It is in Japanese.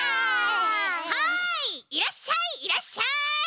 はいいらっしゃいいらっしゃい！